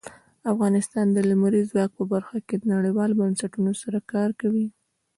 افغانستان د لمریز ځواک په برخه کې نړیوالو بنسټونو سره کار کوي.